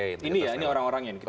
ini ya ini orang orangnya ini